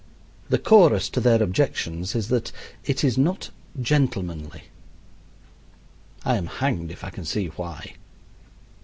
The chorus to their objections is that it is not gentlemanly. I am hanged if I can see why.